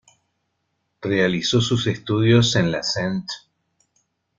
Realizó sus estudios en la St.